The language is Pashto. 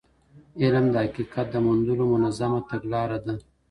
علم د حقيقت د موندلو منظمه تګلاره ده.